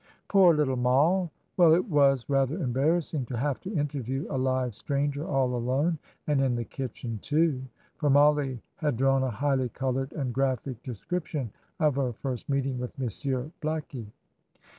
"Poor little Moll. Well, it was rather embarrassing to have to interview a live stranger all alone, and in the kitchen too!" for Mollie had drawn a highly colored and graphic description of her first meeting with Monsieur Blackie.